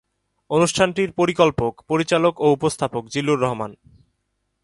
অনুষ্ঠানটির পরিকল্পক, পরিচালক ও উপস্থাপক জিল্লুর রহমান।